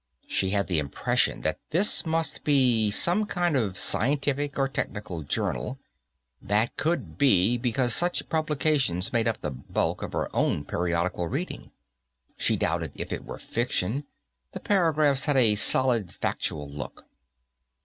She had the impression that this must be some kind of scientific or technical journal; that could be because such publications made up the bulk of her own periodical reading. She doubted if it were fiction; the paragraphs had a solid, factual look.